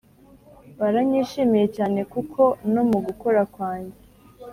baranyishimiye cyane kuko no mugukora kwanjye